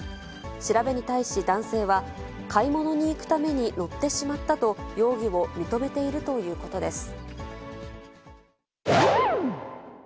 調べに対し男性は、買い物に行くために乗ってしまったと、容疑を認めているということです。